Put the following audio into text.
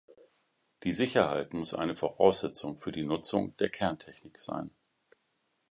Die Sicherheit muss eine Voraussetzung für die Nutzung der Kerntechnik sein.